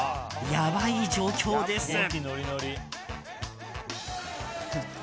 やばい状況です。